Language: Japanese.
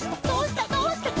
どうした？」